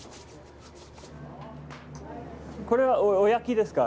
これはおやきですか？